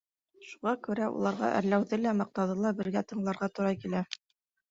Шуға күрә уларға әрләүҙе лә, маҡтауҙы ла бергә тыңларға тура килә.